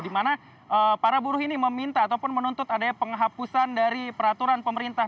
di mana para buruh ini meminta ataupun menuntut adanya penghapusan dari peraturan pemerintah